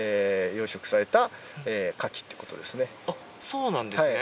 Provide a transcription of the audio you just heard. そうなんですね！